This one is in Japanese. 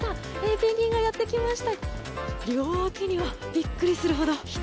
ペンギンがやってきました。